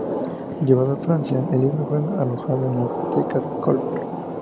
Llevado a Francia, el libro fue alojado en la biblioteca de Colbert.